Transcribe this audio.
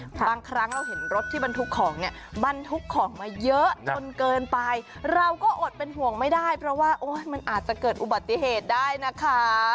บางครั้งเราเห็นรถที่บรรทุกของเนี่ยบรรทุกของมาเยอะจนเกินไปเราก็อดเป็นห่วงไม่ได้เพราะว่ามันอาจจะเกิดอุบัติเหตุได้นะคะ